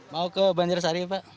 mau ke banjarasari pak